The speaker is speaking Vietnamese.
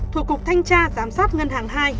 thuộc cục thanh tra giám sát ngân hàng ii